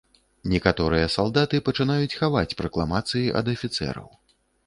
Некаторыя салдаты пачынаюць хаваць пракламацыі ад афіцэраў.